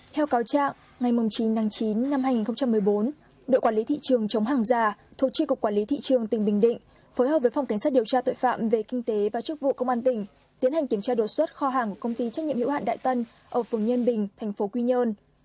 theo cáo trạng ngày chín tháng chín năm hai nghìn một mươi bốn đội quản lý thị trường chống hàng giả thuộc tri cục quản lý thị trường tỉnh bình định phối hợp với phòng cảnh sát điều tra tội phạm về kinh tế và chức vụ công an tỉnh tiến hành kiểm tra đột xuất kho hàng của công ty trách nhiệm hiệu hạn đại tân ở phường nhân bình tp quy nhơn